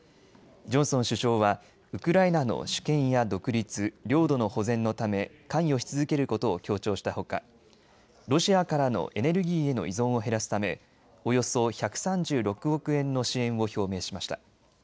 ジョンソン首相はウクライナの主権や独立、領土の保全のため関与し続けることを強調したほかロシアからのエネルギーへの依存を減らすためおよそ１３６億円の支援を表明しました。